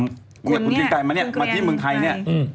เมืองนี้มาที่เมืองไทยเนี่ย